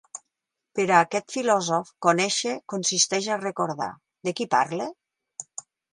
Per a aquest filòsof conèixer consisteix a recordar; de qui parle?